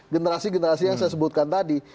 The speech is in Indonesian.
generasi generasi yang saya sebutkan tadi